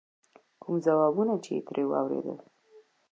کوم ځوابونه چې یې ترې واورېدل.